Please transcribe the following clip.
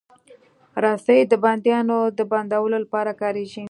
رسۍ د بندیانو د بندولو لپاره کارېږي.